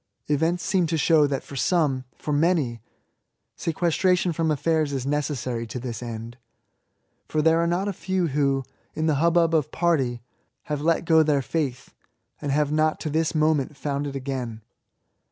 Events seem to show that for some — ^for many — sequestra tion firom ajSairs is necessary to this end; for there are not a few who, in the hubbub of party, have let go their faith, and have not to this moment found it again.